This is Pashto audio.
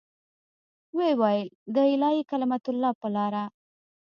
ويې ويل د اعلاى کلمة الله په لاره.